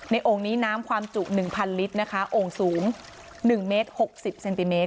โอ่งนี้น้ำความจุ๑๐๐ลิตรนะคะโอ่งสูง๑เมตร๖๐เซนติเมตร